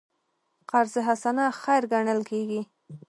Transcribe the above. قرض حسنه خیر ګڼل کېږي.